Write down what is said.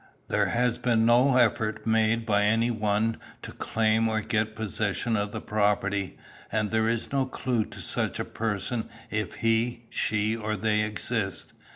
There has been no effort made by any one to claim or get possession of the property, and there is no clue to such a person if he, she, or they exist.